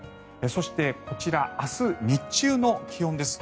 そして、こちら明日日中の気温です。